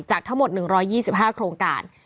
ทั้งหมด๑๒๕โครงการ